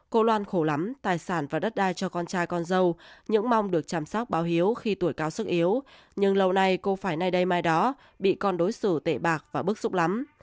cô loan khổ lắm tài sản và đất đai cho con trai con dâu những mong được chăm sóc báo hiếu khi tuổi cao sức yếu nhưng lâu nay cô phải nay đây mai đó bị con đối xử tể bạc và bức xúc lắm